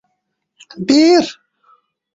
Yaxshimi-yomonmi, shu elning molini boqayapman.